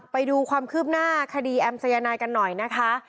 ไปดูความคืบหน้าคดีแอมสายนายกันหน่อยนะคะ